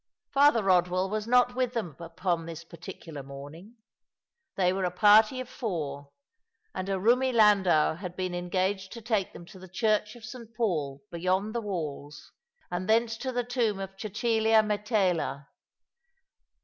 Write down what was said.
Father Eodwell was not with them upon this particular morning. They were a party of four, and a roomy landau had been engaged to take them to the Church of St. Paul beyond the walls, and thence to the tomb of Cecilia Metella.